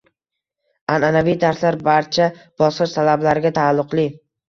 Anʼanaviy darslar barcha bosqich talabalariga taalluqli.